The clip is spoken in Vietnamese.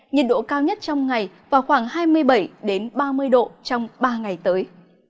nhiệt độ cao nhất trong ngày vào khoảng hai mươi bảy ba mươi độ trong ba ngày tới